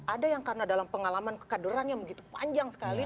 ada yang karena dalam pengalaman kekaderan yang begitu panjang sekali